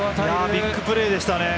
ビッグプレーでしたね。